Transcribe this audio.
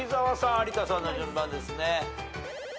有田さんの順番ですね。